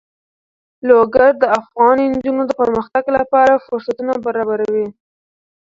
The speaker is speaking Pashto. لوگر د افغان نجونو د پرمختګ لپاره فرصتونه برابروي.